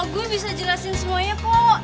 gue bisa jelasin semuanya po